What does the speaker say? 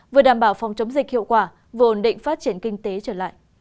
vừa đảm bảo phòng chống dịch hiệu quả vừa ổn định phát triển kinh tế trở lại